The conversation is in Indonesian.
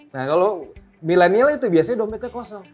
nah kalau milenial itu biasanya dompetnya kosong